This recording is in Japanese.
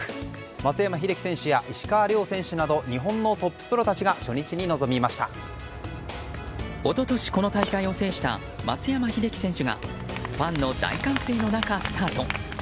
松山英樹選手や石川遼選手など日本のトッププロたちが一昨年、この大会を制した松山英樹選手がファンの大歓声の中、スタート。